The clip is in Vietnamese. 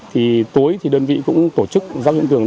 thì tối thì đơn vị cũng tổ chức giáo dục trí tưởng